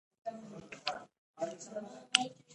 ئي تباه او برباد کړې!! هلته صرف کرکنړي او